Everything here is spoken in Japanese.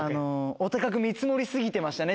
お高く見積もり過ぎてましたね